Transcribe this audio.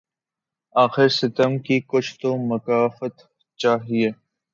آخر ستم کی کچھ تو مکافات چاہیے